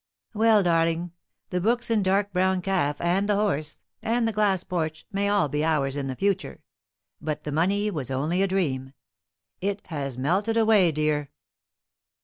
"Well, darling, the books in dark brown calf, and the horse, and the glass porch, may all be ours in the future; but the money was only a dream it has melted away, dear."